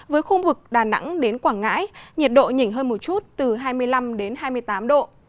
với khu vực đà nẵng đến quảng ngãi nhiệt độ nhỉnh hơn một chút từ hai mươi năm đến hai mươi tám độ